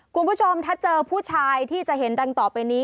คุณผู้ชมถ้าเจอผู้ชายที่จะเห็นดังต่อไปนี้